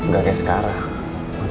gak kayak sekarang